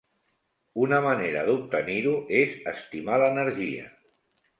Una manera d'obtenir-ho és estimar l'energia.